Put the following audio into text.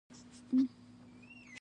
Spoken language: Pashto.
په اطاق کې پاتې شوم.